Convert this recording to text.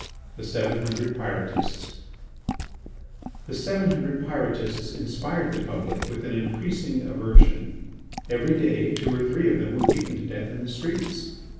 THE SEVEN HUNDRED PYROTISTS The seven hundred Pyrotists inspired the public with an increasing aversion. Every day two or three of them were beaten to death in the streets.